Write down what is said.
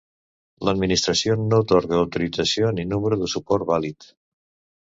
L'Administració no atorga autorització ni número de suport vàlid.